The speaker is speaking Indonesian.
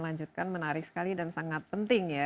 lanjutkan menarik sekali dan sangat penting ya